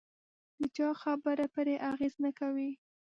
د چا خبره پرې اغېز نه کوي.